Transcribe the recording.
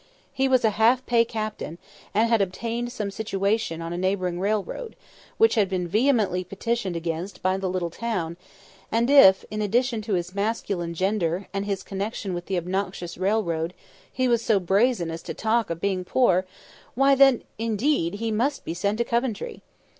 He was a half pay captain, and had obtained some situation on a neighbouring railroad, which had been vehemently petitioned against by the little town; and if, in addition to his masculine gender, and his connection with the obnoxious railroad, he was so brazen as to talk of being poor—why, then, indeed, he must be sent to Coventry.